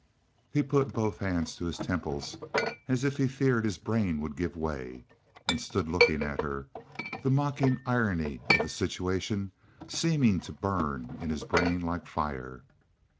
He put both hands to his temples, as if he feared his brain would give way, and stood looking at her, the mocking irony of the situation seeming to burn in his brain like fire.